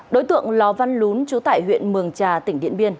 đối tượng lò văn lún trú tại huyện mường trà tỉnh điện biên